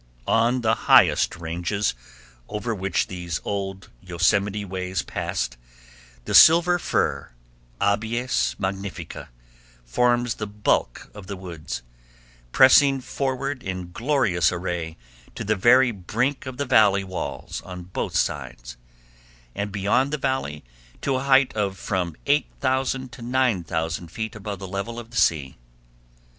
On the highest ridges, over which these old Yosemite ways passed, the silver fir (Abies magnifica) forms the bulk of the woods, pressing forward in glorious array to the very brink of the Valley walls on both sides, and beyond the Valley to a height of from 8000 to 9000 feet above the level of the sea.